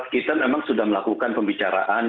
kita memang sudah melakukan pembicaraan